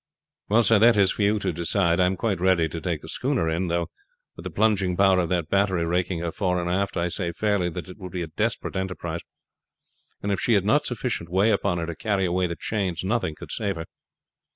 "Well, sir, that is for you to decide. I am quite ready to take the schooner in; though with the plunging power of that battery raking her fore and aft I say fairly that it would be a desperate enterprise, and if she had not sufficient way upon her to carry away the chains nothing could save her.